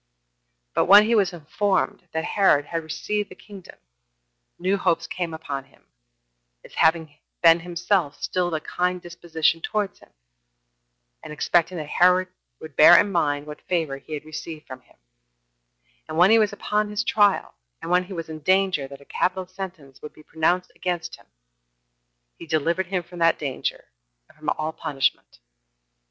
But when he was informed that Herod had received the kingdom, new hopes came upon him, as having been himself still of a kind disposition towards him, and expecting that Herod would bear in mind what favor he had received from him; and when he was upon his trial, and when he was in danger that a capital sentence would be pronounced against him, he delivered him from that danger, and from all punishment.